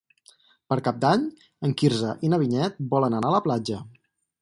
Per Cap d'Any en Quirze i na Vinyet volen anar a la platja.